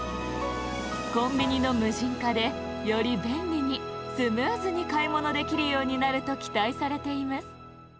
コンビニの無人化でよりべんりにスムーズにかいものできるようになるときたいされています。